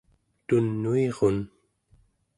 tunuirun